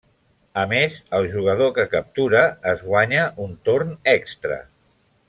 A més, el jugador que captura es guanya un torn extra.